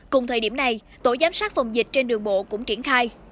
cùng thời điểm này tổ giám sát phòng dịch trên đường bộ cũng triển khai